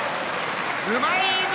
うまい、泉！